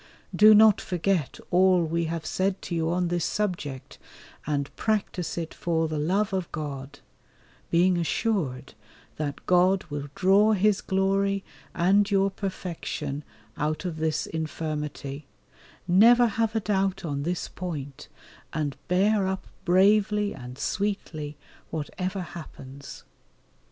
Do not forget all we have said to you on this subject, and practise it for the love of God, being assured that God will draw His glory and your perfection out of this infirmity, never have a doubt on this point, and bear up bravely and sweetly whatever happens.